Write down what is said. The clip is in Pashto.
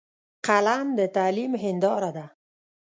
قلم د تعلیم هنداره ده